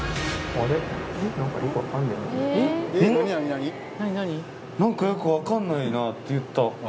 何かよく分かんないなって言った。